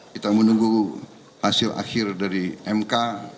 kita menunggu hasil akhir dari mk